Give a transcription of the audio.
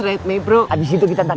adek yang ngumpet di balik tembok